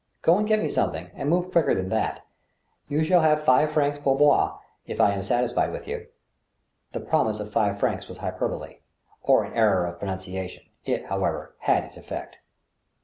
Go and get me something, and move quicker than that. You shall have five francs pourboire if Lam satisfied with you." The promise of five francs was hyperbole, or an error of pro nunciation; it, however, had its effect.